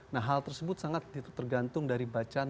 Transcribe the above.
nah hal tersebut sangat tergantung dari bacaan